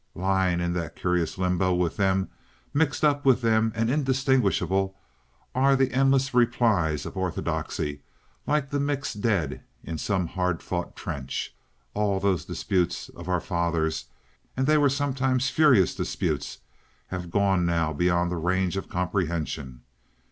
Lying in that curious limbo with them, mixed up with them and indistinguishable, are the endless "Replies" of orthodoxy, like the mixed dead in some hard fought trench. All those disputes of our fathers, and they were sometimes furious disputes, have gone now beyond the range of comprehension.